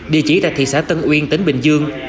địa chỉ tại thị xã tân uyên tỉnh bình dương